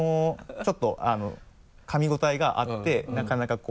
ちょっとあのかみごたえがあってなかなかこう。